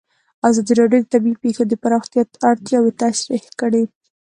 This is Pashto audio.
ازادي راډیو د طبیعي پېښې د پراختیا اړتیاوې تشریح کړي.